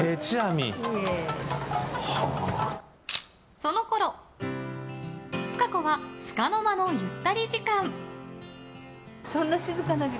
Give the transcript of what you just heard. そのころ塚子はつかの間のゆったり時間。